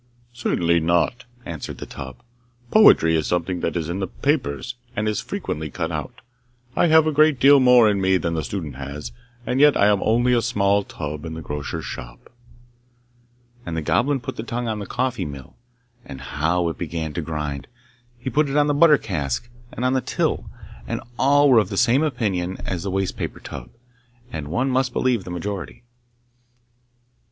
'Certainly not!' answered the tub. 'Poetry is something that is in the papers, and that is frequently cut out. I have a great deal more in me than the student has, and yet I am only a small tub in the grocer's shop.' And the Goblin put the tongue on the coffee mill, and how it began to grind! He put it on the butter cask, and on the till, and all were of the same opinion as the waste paper tub. and one must believe the majority.